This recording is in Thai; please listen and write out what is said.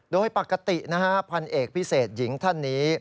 โดยปกติพันธุ์เอกพิเศษหญิงท่านนี้